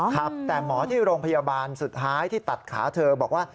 ครับแต่หมอที่โรงพยาบาลสุดท้ายที่ตัดขาเธอบอกว่า